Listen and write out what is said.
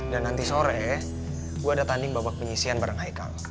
dan nanti sore gue ada tanding babak penyisian bareng haikal